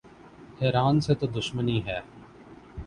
ایران سے تو دشمنی ہے۔